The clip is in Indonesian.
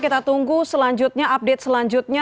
kita tunggu selanjutnya update selanjutnya